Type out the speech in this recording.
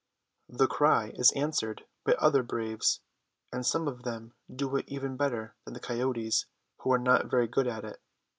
The cry is answered by other braves; and some of them do it even better than the coyotes, who are not very good at it.